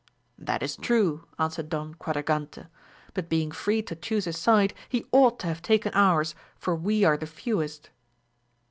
That is true, answered Don Quadragante, but being free to chuse his side, he ought to have taken ours, for we are the fewest.